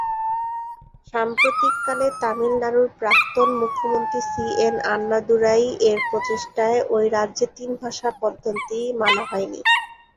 সাম্প্রতিককালে, তামিলনাড়ুর প্রাক্তন মুখ্যমন্ত্রী সি এন আন্নাদুরাই-এর প্রচেষ্টায় ওই রাজ্যে তিন ভাষা পদ্ধতি মানা হয়নি।